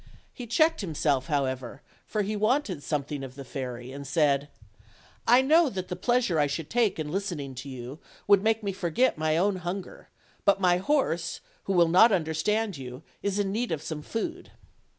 He checked himself, however, for he wanted something of the fairy, and said: "I. know that the pleasure I should take in listening to you would make me forget my own hunger; but my horse, who will not understand you, is in need of some food."